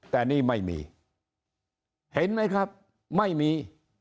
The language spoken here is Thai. แต่นี่ไม่มีเห็นไหมครับไม่มี